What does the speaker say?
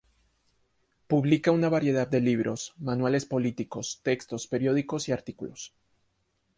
Publica una variedad de libros, manuales políticos, textos, periódicos y artículos.